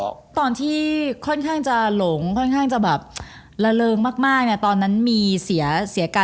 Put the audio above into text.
เป็นเด็กดึงมาทันเนาะ